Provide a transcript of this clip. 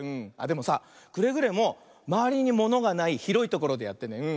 でもさくれぐれもまわりにものがないひろいところでやってね。